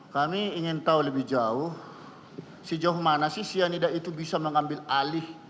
kami ingin tahu lebih jauh si joh mana sih cyanida itu bisa mengambil alih